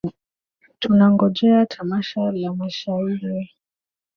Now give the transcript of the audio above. Tunangojea tamasha la mashairi.